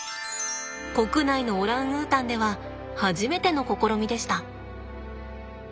国内のオランウータンでは初めての試みでした。